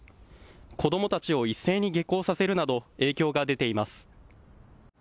子どもたちを一斉に下校させるなど影響が出ています。